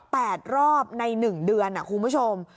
แปดรอบใน๑เดือนครูมะชม